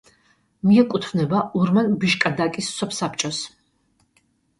მიეკუთვნება ურმან-ბიშკადაკის სოფსაბჭოს.